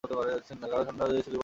আরও ঠাণ্ডা দেশে যাবার যোগাড় দেখছি।